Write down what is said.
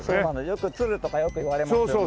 よく鶴とか言われますよね。